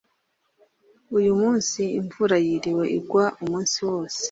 Uyu munsi, imvura yiriwe igwa umunsi wose.